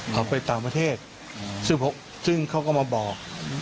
เขาไปต่างประเทศซึ่งเขาก็มาบอก